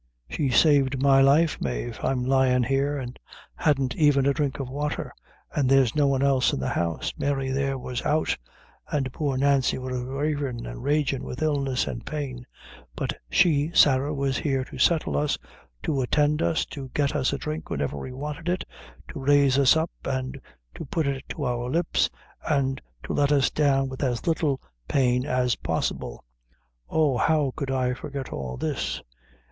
"She saved my life, Mave; I was lyin' here, and hadn't even a drink of water, and there was no one else in the house; Mary, there, was out, an' poor Nancy was ravin' an' ragin' with illness and pain; but she, Sarah, was here to settle us, to attend us, to get us a drink whenever we wanted it to raise us up, an' to put it to our lips, an' to let us down with as little pain as possible. Oh, how could I forget all this?